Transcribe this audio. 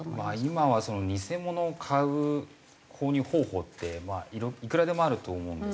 今は偽物を買う購入方法っていくらでもあると思うんですね。